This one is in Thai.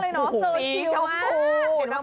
นางเซอร์มากเลยเนาะ